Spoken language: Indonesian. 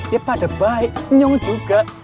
ya pada baik nyo juga